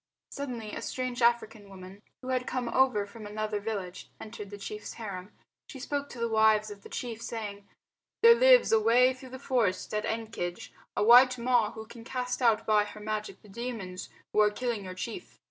Suddenly a strange African woman, who had come over from another village, entered the chief's harem. She spoke to the wives of the chief, saying, "There lives away through the forest at Ekenge a white Ma who can cast out by her magic the demons who are killing your chief.